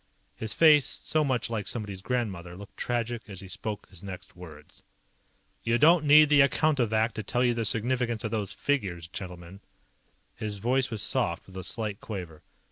His face, so much like somebody's grandmother, looked tragic as he spoke his next words. "You don't need the Accountovac to tell you the significance of those figures, gentlemen." His voice was soft, with a slight quaver.